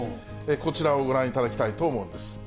こちらをご覧いただきたいと思うんです。